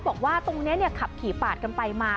บอกว่าตรงนี้ขับขี่ปาดกันไปมา